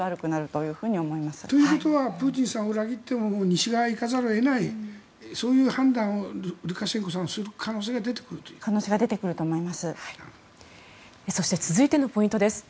ということはプーチンさんを裏切っても西側に行かざるを得ないそういう判断をルカシェンコさんはする可能性が出てくるということですか。